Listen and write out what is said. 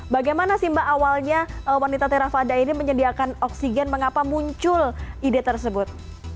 bagaimana sih mbak awalnya wanita terafada ini menyediakan oksigen mengapa muncul ide tersebut